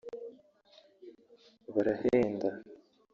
barahenda